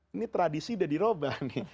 ini tradisi sudah di robah nih